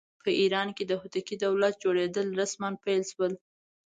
په ایران کې د هوتکي دولت جوړېدل رسماً پیل شول.